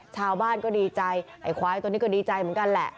ชาวบ้านก็ดีใจไอ้ควายตัวนี้ก็ดีใจเหมือนกันแหละ